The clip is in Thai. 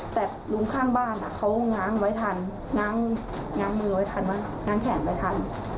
แต่ลุงข้างบ้านเขาง้างไว้ทันง้าง้างมือไว้ทันไหมง้างแขนไว้ทัน